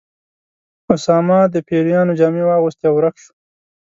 اسامه د پیریانو جامې واغوستې او ورک شو.